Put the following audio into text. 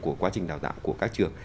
của quá trình đào tạo của các trường